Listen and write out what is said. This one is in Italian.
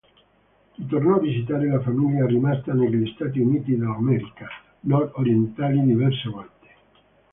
Ritornò a visitare la famiglia rimasta negli Stati Uniti d'America nord-orientali diverse volte.